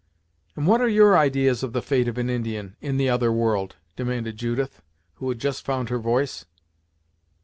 "And what are your ideas of the fate of an Indian, in the other world?" demanded Judith, who had just found her voice.